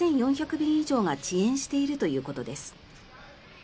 便以上が遅延しているということです。